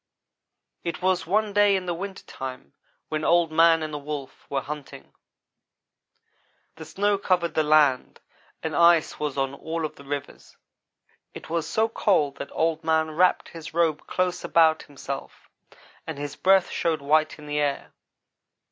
"It was one day in the winter time when Old man and the Wolf were hunting. The snow covered the land and ice was on all of the rivers. It was so cold that Old man wrapped his robe close about himself and his breath showed white in the air.